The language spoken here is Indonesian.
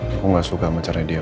gua gak suka sama cerita di aba